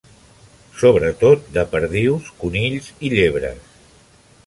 Sobretot de perdius, conills i llebres.